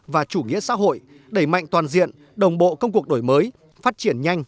và chủ nghĩa xã hội đẩy mạnh toàn diện đồng bộ công cuộc đổi mới phát triển nhanh